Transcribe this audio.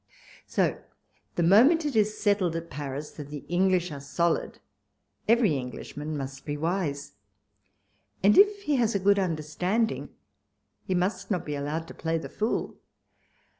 So the moment it is settled at Paris that the English are solid, every Englishman must be wise, and, if he has a good understanding, he must not be allowed to play the fool.